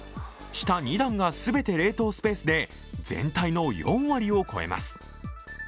下２段が全て冷凍スペースで全体の４割を超えます。